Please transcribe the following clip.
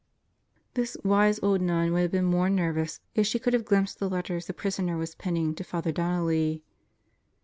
This wise old nun would have been more nervous if she could have glimpsed the letters the prisoner was penning to Father Donnelly.